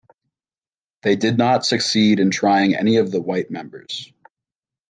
They did not succeed in trying any of the white members.